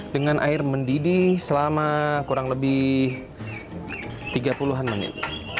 dengan air mendidih selama kurang lebih tiga puluh an menit